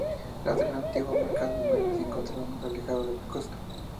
La traza antigua, marcada en verde, se encontraba más alejada de la costa.